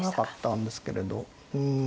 うん